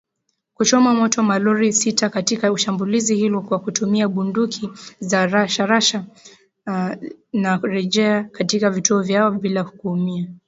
kuchoma moto malori sita katika shambulizi hilo kwa kutumia bunduki za rashasha na kurejea katika vituo vyao bila kuumia.